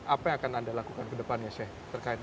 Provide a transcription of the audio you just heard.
apa yang akan anda lakukan kedepannya